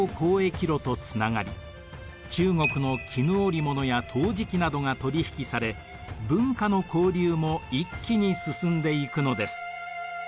中国の絹織物や陶磁器などが取り引きされ文化の交流も一気に進んでいくのです。